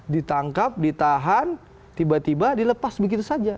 ditangkap ditahan tiba tiba dilepas begitu saja